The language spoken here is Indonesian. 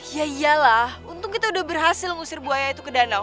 ya iyalah untung kita udah berhasil ngusir buaya itu ke danau